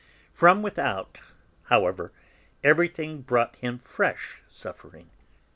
From without, however, everything brought him fresh suffering.